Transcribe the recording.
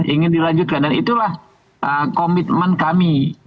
ingin dilanjutkan dan itulah komitmen kami